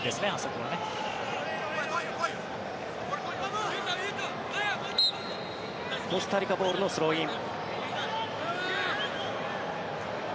コスタリカボールのスローイン。